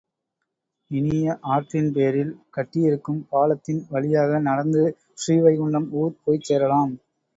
இனி ஆற்றின் பேரில் கட்டியிருக்கும் பாலத்தின் வழியாக நடந்து ஸ்ரீவைகுண்டம் ஊர் போய்ச் சேரலாம்.